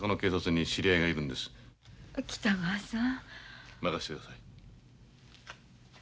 任してください。